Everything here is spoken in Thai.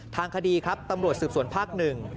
ทางคดีครับตำรวจสืบสวนภาคหนึ่ง